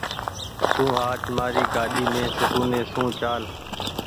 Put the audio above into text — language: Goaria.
تو آج مآري گآڏي مين سڪونيٚ سون چآل۔